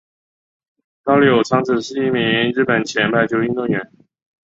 高柳昌子是一名日本前排球运动员。